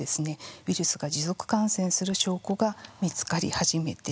ウイルスが持続感染する証拠が見つかり始めて。